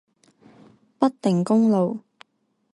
北碇公路